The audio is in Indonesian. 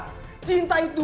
jangan ada yang mencintaianya